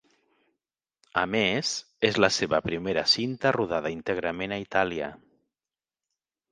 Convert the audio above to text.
A més, és la seva primera cinta rodada íntegrament a Itàlia.